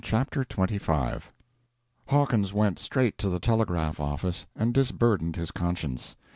CHAPTER XXV. Hawkins went straight to the telegraph office and disburdened his conscience.